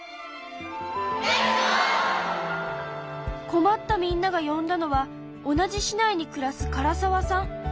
困ったみんなが呼んだのは同じ市内に暮らす唐澤さん。